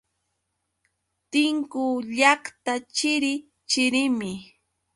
Tinku llaqta chiri chirimi.